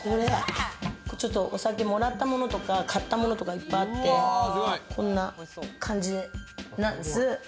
もらったものとか買ったものとかいっぱいあって、こんな感じで。